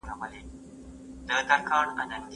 که ګل وي نو خوشحويي وي.